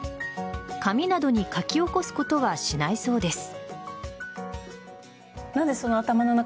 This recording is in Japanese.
紙などに書き起こすことはしないそうです。